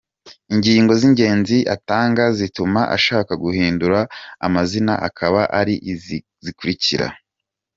Ingingo z’ingenzi atanga zituma ashaka guhindura amazina akaba ari izi zikurikira:.